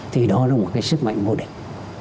thì đó là một cái sức mạnh mô địch